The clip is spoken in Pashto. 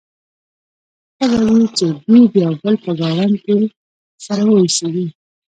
ښه به وي چې دوی د یو بل په ګاونډ کې سره واوسيږي.